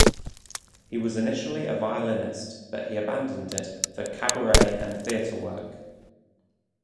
He was initially a violinist, but he abandoned it for Kabarett and theatre work.